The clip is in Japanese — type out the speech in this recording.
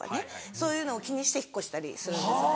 そういうのを気にして引っ越したりするんです。